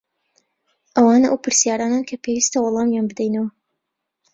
ئەوانە ئەو پرسیارانەن کە پێویستە وەڵامیان بدەینەوە.